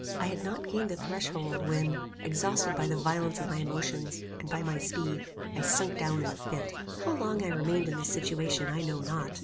I had not gained the threshold, when, exhausted by the violence of my emotions, and by my speed, I sunk down in a fit. How long I remained in this situation I know not.